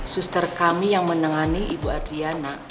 suster kami yang menangani ibu adriana